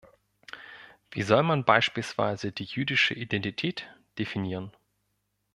Wie soll man beispielsweise die jüdische Identität definieren?